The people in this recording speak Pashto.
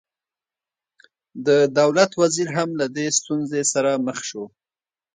د دولت وزیر هم له دې ستونزې سره مخ شو.